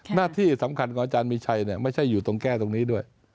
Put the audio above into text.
หน้าที่สำคัญของอาจารย์มีชัยไม่ใช่อยู่ตรงแก้ตรงนี้ด้วย